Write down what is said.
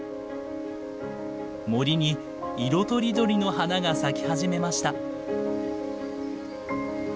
森に色とりどりの花が咲き始めました。